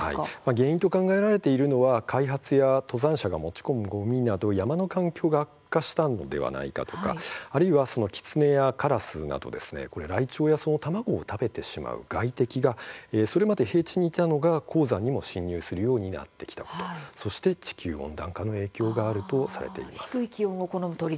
原因として考えられているのが開発や登山者が持ち込むごみなどによるいわゆる、山の環境の悪化したのではないか、あるいはキツネやカラスなどライチョウや、その卵を食べてしまう外敵がそれまで平地にいたのが高山にも侵入するようになってきたことそして地球温暖化の影響があるとされます。